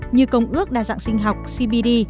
như công ước đa dạng sinh học cbd